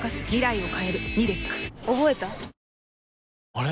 あれ？